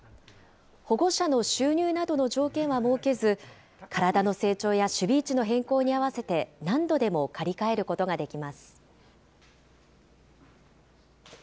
保護者の収入などの条件は設けず、体の成長や守備位置の変更に合わせて何度でも借り換えることができます。